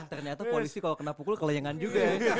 ternyata polisi kalau kena pukul kelayangan juga